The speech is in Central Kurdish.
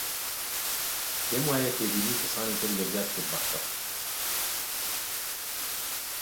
پێم وایە تێبینی کەسانی تر یەکجار سوودبەخشە